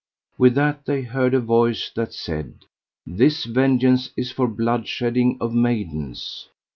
With that they heard a voice that said: This vengeance is for blood shedding of maidens.